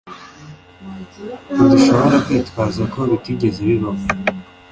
Ntidushobora kwitwaza ko bitigeze bibaho